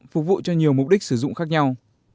phục vụ cho nhiều mục đích sử dụng khác nhau